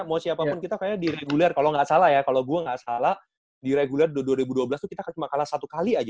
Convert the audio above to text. mau siapapun kita kayaknya di reguler kalau nggak salah ya kalau gue gak salah di reguler dua ribu dua belas tuh kita cuma kalah satu kali aja